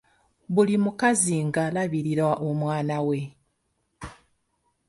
Buli mukazi ng'alabirira omwana we.